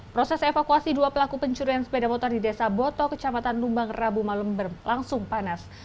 proses evakuasi dua pelaku pencurian sepeda motor di desa boto kecamatan lumbang rabu malam berlangsung panas